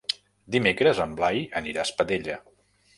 Dimecres en Blai anirà a Espadella.